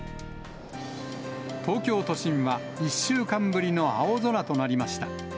東京都心は１週間ぶりの青空となりました。